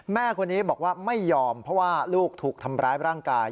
แม่คนนี้บอกว่าไม่ยอมเพราะว่าลูกถูกทำร้ายร่างกาย